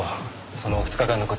その２日間の事。